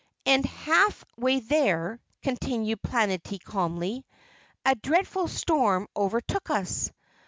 "And half way there," continued Planetty calmly, "a dreadful storm overtook us.